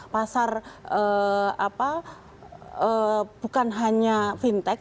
pasar bukan hanya fintech